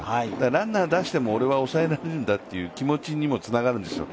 ランナー出しても、俺は抑えられるんだという気持ちにもつながるんですよ。